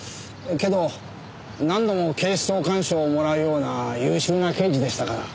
けど何度も警視総監賞をもらうような優秀な刑事でしたから。